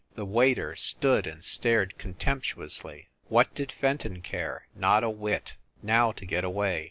The waiter stood and stared contemptuously. What did Fenton care ? Not a whit ! Now, to get away!